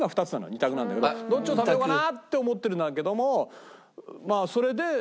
２択なんだけどどっちを食べようかなって思ってるんだけどもまあそれで。